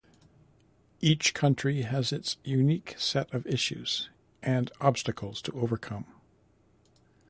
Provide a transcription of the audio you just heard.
Each country has its unique set of issues and obstacles to overcome.